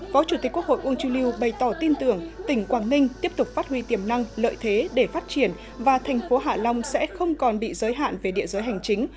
phó chủ tịch quốc hội uông chu liêu bày tỏ tin tưởng tỉnh quảng ninh tiếp tục phát huy tiềm năng lợi thế để phát triển và thành phố hạ long sẽ không còn bị giới hạn về địa giới hành chính